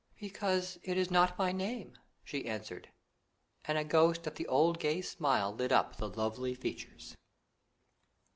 "Because it is not my name," she answered; and a ghost of the old gay smile lit up the lovely features.